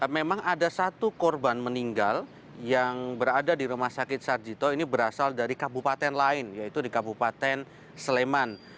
memang ada satu korban meninggal yang berada di rumah sakit sarjito ini berasal dari kabupaten lain yaitu di kabupaten sleman